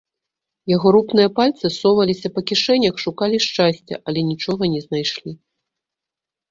Яго рупныя пальцы соваліся па кішэнях, шукалі шчасця, але нічога не знайшлі.